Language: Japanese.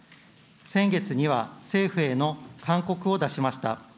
先月には、政府への勧告を出しました。